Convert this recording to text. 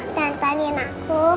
dan tante nina aku